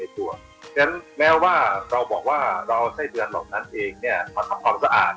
เพราะฉะนั้นแม้ว่าเราบอกว่าเราเอาไส้เดือนเหล่านั้นเองมาทำความสะอาด